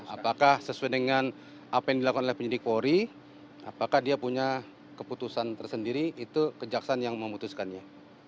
apakah sesuai dengan apa yang dilakukan oleh penyidik polri apakah dia punya keputusan tersendiri itu kejaksaan yang memutuskannya